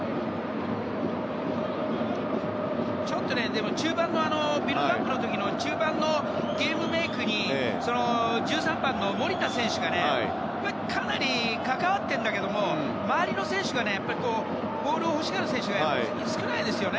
ちょっと、でもビルドアップの時の中盤のゲームメイクに１３番の守田選手がかなり関わっているんだけど周りにボールを欲しがる選手が少ないですね。